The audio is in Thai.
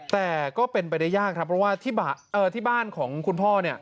แต่ก็เป็นไปได้ยากครับเพราะว่าที่บ้านของคุณพ่อเนี่ย